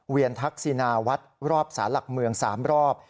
เวียนทักษินาวัดรอบศาลหลักเมือง๓รอบ